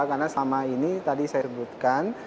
karena selama ini tadi saya sebutkan